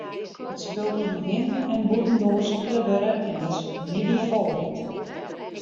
It spul kin binnen- en bûtendoar spile wurde en is middeifoljend.